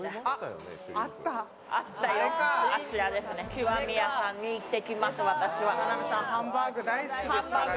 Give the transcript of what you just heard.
極味やさんに行ってきます、私は。